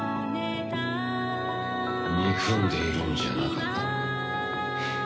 憎んでいるんじゃなかったのか？